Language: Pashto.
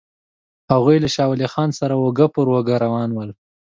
هغوی له شاه ولي خان سره اوږه پر اوږه روان ول.